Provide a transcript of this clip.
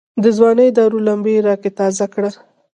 دځوانۍ داور لمبي را کې تازه کړه